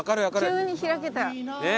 急に開けた。ねぇ。